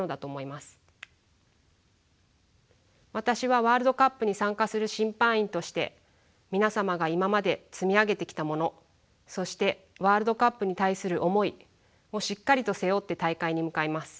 私はワールドカップに参加する審判員として皆様が今まで積み上げてきたものそしてワールドカップに対する思いをしっかりと背負って大会に向かいます。